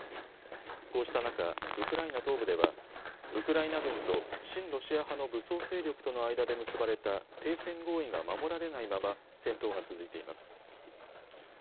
こうした中、ウクライナ東部ではウクライナ軍と親ロシア派の武装勢力との間で結ばれた停戦合意が守られないまま戦闘が続いています。